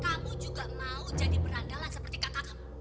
kamu juga mau jadi berandala seperti kakak kamu